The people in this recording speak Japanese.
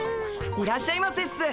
いらっしゃいませっす。